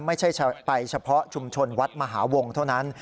ไม่ใช่ไปเฉพาะชุมชนวัดมหาวงเท่านั้น